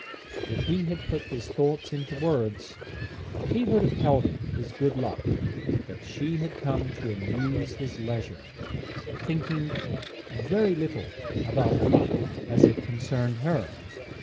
If he had put his thoughts into words, he would have held it as good luck that she had come to amuse his leisure, thinking very little about luck as it concerned her.